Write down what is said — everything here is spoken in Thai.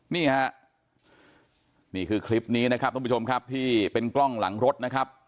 นี่ฮะนี่คือคลิปนี้นะครับท่านผู้ชมครับที่เป็นกล้องหลังรถนะครับ